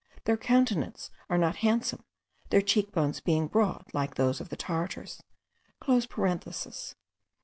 (Their countenances are not handsome, their cheek bones being broad like those of the Tartars.)